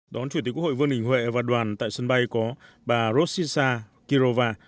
đón chủ tịch quốc hội vương đình huệ và đoàn tại sân bay có bà rossisa kirova